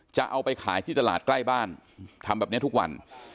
จะเอาไปขายที่ตลาดใกล้บ้านทำแบบนี้ทุกวัน